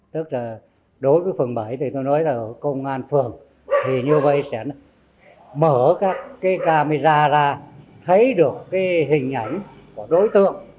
tức là đối với phường bảy thì tôi nói là công an phường thì như vậy sẽ mở các cái camera ra thấy được cái hình ảnh của đối tượng